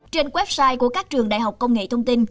trên website của các trường đại học công nghệ thông tin